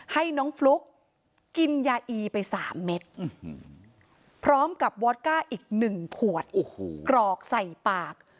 ให้น้องฟลุ๊กกินยาอีไป๓เม็ดพร้อมกับวอตก้าอีก๑ขวดกรอกใส่ปาก